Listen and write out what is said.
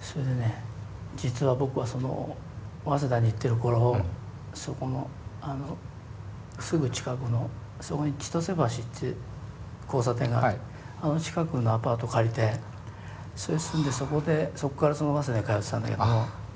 それでね実は僕はその早稲田に行ってる頃そこのすぐ近くのそこに千登世橋っていう交差点があってあの近くのアパート借りてそれ住んでそこでそこから早稲田に通ってたんだけど。